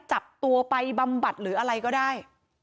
จับตัวไปบำบัดหรืออะไรก็ได้